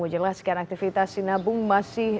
menjelaskan aktivitas sinabung masih